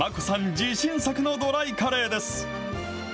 自信作のドライカレーです。